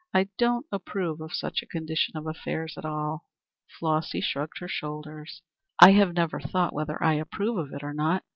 I don't approve of such a condition of affairs at all." Flossy shrugged her shoulders. "I have never thought whether I approve of it or not.